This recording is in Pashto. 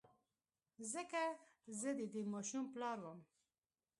ځکه زه د دې ماشوم پلار وم.